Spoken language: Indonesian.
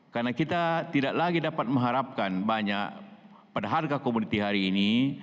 karena kita tidak lagi dapat mengharapkan banyak pada harga komoditi hari ini